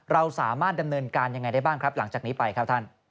เราสามารถดำเนินการยังไงได้บ้างครับหลังจากนี้ไปครับท่าน